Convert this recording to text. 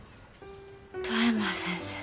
富山先生。